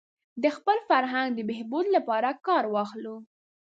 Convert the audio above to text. د خپل فرهنګ د بهبود لپاره کار واخلو.